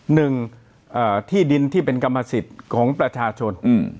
หนึ่งที่ดินที่เป็นกรรมสิทธิ์ของประชาชน